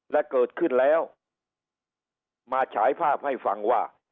และเกิดขึ้นแล้วมาฉายภาพให้ฟังว่า